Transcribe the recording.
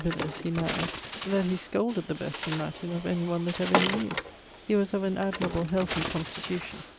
Villers, he maried), that he scolded the best in Latin of any one that ever he knew. He was of an admirable healthy constitution.